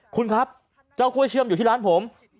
คุณครับเจ้ากล้วยเชื่อมอยู่ที่ร้านผม